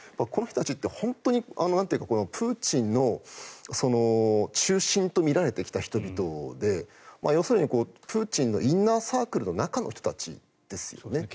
この人たちって本当にプーチンの中心とみられてきた人々で要するにプーチンのインナーサークルの中の人たちですよね。